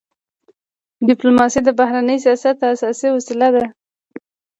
ډيپلوماسي د بهرني سیاست اساسي وسیله ده.